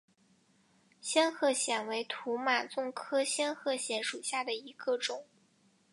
仙鹤藓为土马鬃科仙鹤藓属下的一个种。